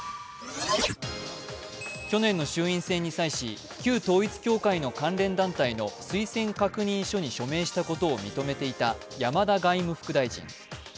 去年の衆院選に際し旧統一教会の関連団体の推薦確認書に署名していたことを認めていた山田外務副大臣。